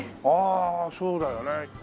ああそうだよねえ。